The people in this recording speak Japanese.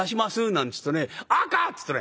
なんつうとね赤っつうとね